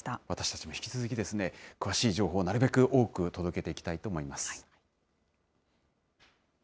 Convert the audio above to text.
私たちも引き続き、詳しい情報、なるべく多く届けていきたいと思います。